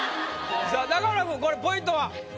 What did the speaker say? さあ中村君これポイントは？